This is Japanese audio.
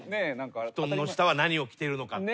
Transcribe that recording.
布団の下は何を着てるのかっていう。